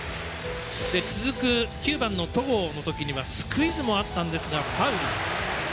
続く９番の戸郷の時にはスクイズもあったんですがファウル。